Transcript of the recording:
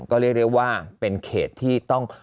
ก็เรียกได้ว่าเป็นเขตที่ต้อง